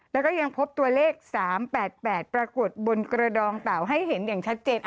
แล้วก็ยังพบตัวเลข๓๘๘ปรากฏบนกระดองเต่าให้เห็นอย่างชัดเจน